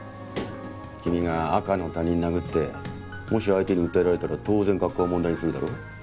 君が赤の他人を殴ってもし相手に訴えられたら当然学校は問題にするだろ。